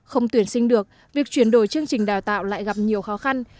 không tuyển sinh được việc chuyển đổi chương trình đào tạo lại gặp nhiều khó khăn